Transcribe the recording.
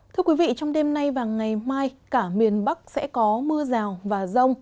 thưa quý vị trong đêm nay và ngày mai cả miền bắc sẽ có mưa rào và rông